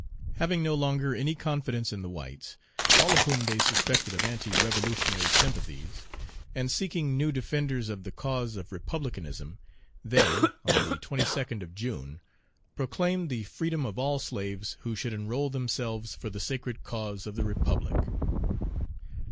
Having no longer any confidence in the whites, all of whom they suspected of anti revolutionary sympathies, and seeking new defenders of the cause of republicanism, they, on the 22d of June, proclaimed the freedom of all slaves who should enroll themselves for the sacred cause of the republic.